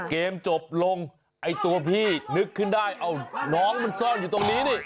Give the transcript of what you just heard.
เกมจบลงไอ้ตัวพี่นึกขึ้นได้เอาน้องมันซ่อนอยู่ตรงนี้นี่